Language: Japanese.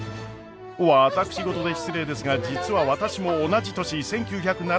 私事で失礼ですが実は私も同じ年１９７２年に東京へ。